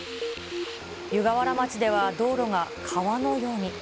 湯河原町では道路が川のように。